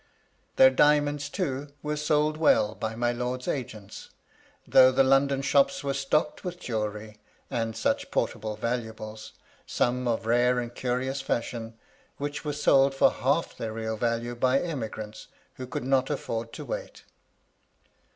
Their diamonds, too, were sold well by my lord's agents, though the London shops were stocked with jewellery, and such portable valuables, some of rare and curious fashion, which were sold for half their real value by emigrants who could not a£Pord to wait.